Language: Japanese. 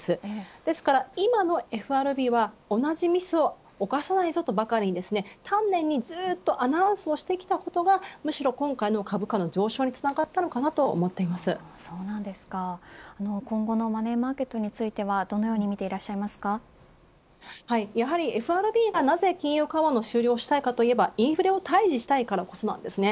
ですから今のＦＲＢは同じミスを起こさないぞとばかりに丹念にずっとアナウンスをしてきたことが今回の株価の上昇につながったのかなと今後のマネーマーケットについてはどのようにやはりＦＲＢがなぜ金融緩和の縮小をしたいのはインフレを退治したいからこそです。